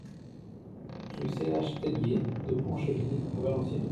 Rue Ch Theillier de Ponchevill à Valenciennes